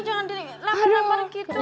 jangan laman laman gitu